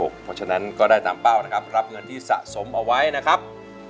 เพราะฉะนั้นก็ได้ตามเป้านะครับรับเงินที่สะสมเอาไว้นะครับ